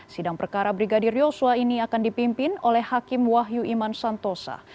sidang perkara brigadir yosua ini akan dipimpin oleh hakim wahyu iman santosa